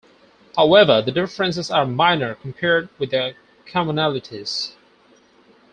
However the differences are minor compared with the commonalities.